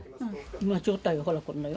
今状態はほらこんなよ。